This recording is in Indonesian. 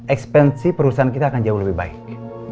ekspansi perusahaan kita akan jauh lebih baik